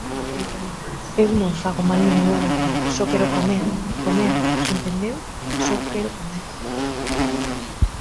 Eu non fago mal ningún. Só quero comer! Comer! Entendeu!? Só quero comer!